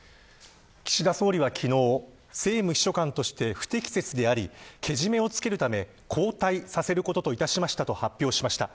岸田総理は昨日政務秘書官として不適切でありけじめをつけるため交代させることといたしましたと発表しました。